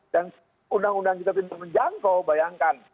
dan undang undang kita tidak menjangkau bayangkan